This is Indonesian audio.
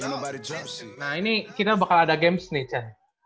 nah ini kita bakal ada games nih chan